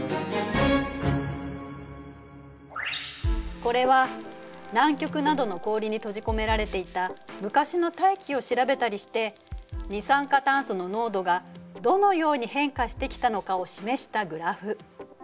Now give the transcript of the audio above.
これは南極などの氷に閉じ込められていた昔の大気を調べたりして二酸化炭素の濃度がどのように変化してきたのかを示したグラフ。